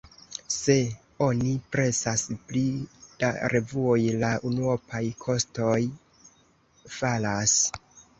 Se oni presas pli da revuoj, la unuopaj kostoj falas.